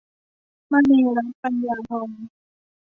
มณีรัตน์ ปัญญาทอง